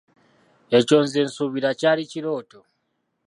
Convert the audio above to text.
Ekyo nze suubira kyali kirooto.